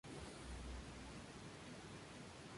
Se conoce como 'Gloria Dei' en Alemania y de 'Gioia' en Italia.